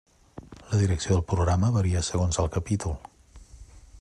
La direcció del programa varia segons el capítol.